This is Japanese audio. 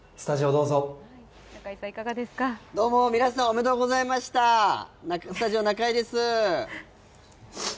どうも皆さん、おめでとうございましたスタジオ、中居です。